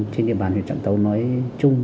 trên địa bàn huyện trạm tấu nói chung